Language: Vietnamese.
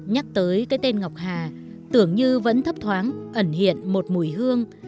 nhắc tới cái tên ngọc hà tưởng như vẫn thấp thoáng ẩn hiện một mùi hương